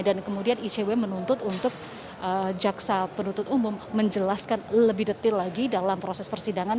dan kemudian icw menuntut untuk jaksa penuntut umum menjelaskan lebih detail lagi dalam proses persidangan